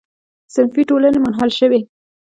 صنفي ټولنې منحل شوې.